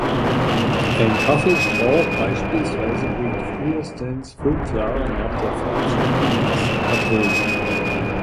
Ein Kaffeestrauch beispielsweise bringt frühestens fünf Jahre nach der Pflanzung die ersten Erträge.